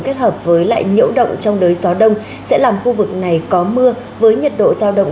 kết hợp với lại nhiễu động trong đới gió đông sẽ làm khu vực này có mưa với nhiệt độ giao động